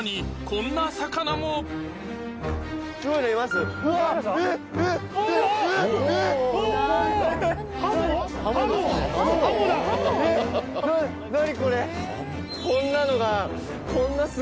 こんなのが。